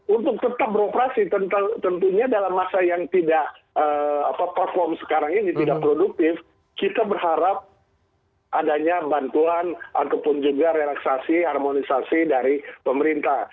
untuk tetap beroperasi tentunya dalam masa yang tidak perform sekarang ini tidak produktif kita berharap adanya bantuan ataupun juga relaksasi harmonisasi dari pemerintah